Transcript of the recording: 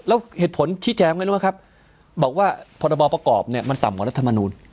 แล้วเหตุผลชี้แจ้มบอกว่าปรบประกอบมันต่ำกว่ารัฐมนูล